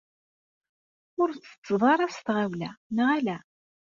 Ur ttetteḍ ara s tɣawla, neɣ ala?